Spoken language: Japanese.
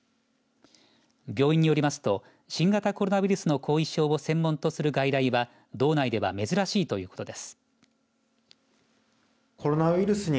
病院によりますと新型コロナウイルスの後遺症を専門とする外来は道内では珍しいということです。